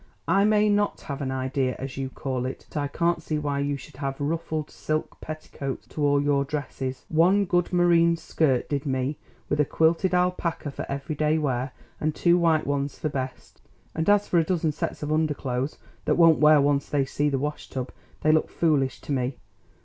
"I may not have an 'idea,' as you call it, but I can't see why you should have ruffled silk petticoats to all your dresses. One good moreen skirt did me, with a quilted alpaca for every day wear and two white ones for best. And as for a dozen sets of underclothes, that won't wear once they see the washtub, they look foolish to me.